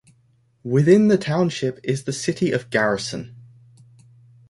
Within the township is the city of Garrison.